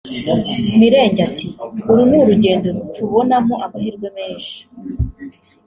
Mirenge ati “Uru ni urugendo tubonamo amahirwe menshi